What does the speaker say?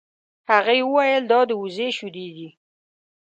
هغې وویل دا د وزې شیدې دي.